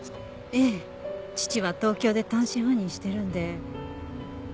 ええ父は東京で単身赴任してるので。